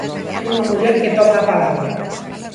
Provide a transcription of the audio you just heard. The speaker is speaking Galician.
Unha muller que toma a palabra.